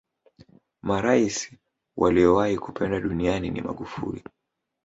maraisi waliyowahi kupendwa duniani ni magufuli